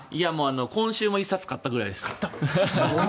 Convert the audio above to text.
今週も１冊買ったぐらいです。